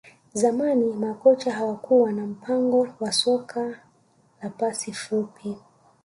Zamani makocha hawakuwa na mpango wa soka la pasi fupi